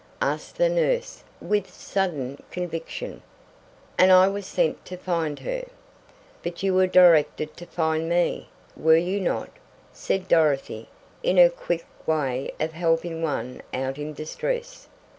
asked the nurse with sudden conviction. "And I was sent to find her!" "But you were directed to find me, were you not?" said Dorothy, in her quick way of helping one out in distress.